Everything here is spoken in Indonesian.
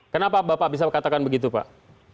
kenapa bapak bisa katakan begitu pak